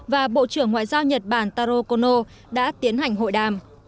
và bộ trưởng ngoại giao nhật bản taro kono đã tiến hành hội đàm